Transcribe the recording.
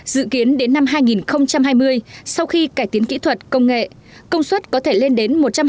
dự kiến đến năm hai nghìn hai mươi sau khi cải tiến kỹ thuật công nghệ công suất có thể lên đến một trăm hai mươi một trăm ba mươi triệu tấn